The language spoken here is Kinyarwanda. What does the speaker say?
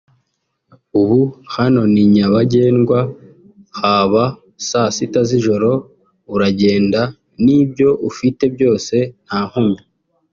ubu hano ni nyabagendwa haba saa sita z’ijoro uragenda n’ibyo ufite byose nta nkomyi